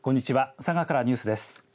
佐賀からニュースです。